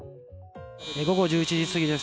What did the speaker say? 午後１１時過ぎです。